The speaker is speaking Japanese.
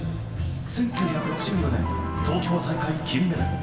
１９６４年、東京大会金メダル。